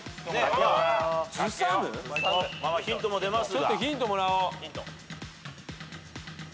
ヒントも出ますが。